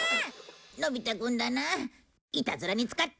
のび太くんだなイタズラに使って！